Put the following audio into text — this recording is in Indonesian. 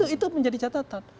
itu menjadi catatan